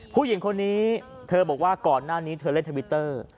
ผู้หญิงคนนี้เธอบอกว่าก่อนหน้านี้เธอเล่นทวิตเตอร์